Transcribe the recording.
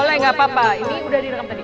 boleh gak papa ini udah direkam tadi